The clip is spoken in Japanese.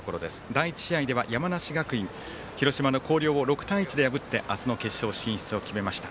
第１試合では山梨学院広島の広陵を６対１で破って明日の決勝進出を決めました。